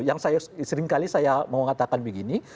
yang seringkali saya mau katakan begini